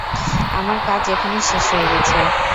আমার কাজ এখানে শেষ হয়ে গেছে।